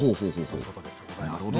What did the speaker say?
そういうことでございますね。